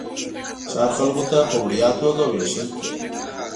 د ښار خلکو ته په وړیا توګه وېشل کېدل.